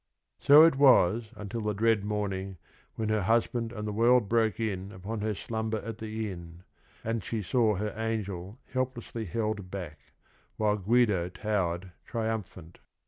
So it was until the dread morning when her husband and the world broke in upon her slumber at the inn and she saw her " angel helplessly held back," while Guido towered triumphant.